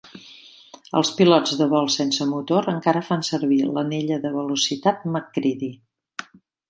Els pilots de vol sense motor encara fan servir l'anella de velocitat MacCready.